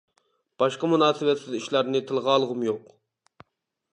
باشقا مۇناسىۋەتسىز ئىشلارنى تىلغا ئالغۇم يوق.